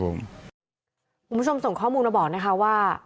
คุณผู้ชมส่งข้อมูลมาบอกนะคะว่า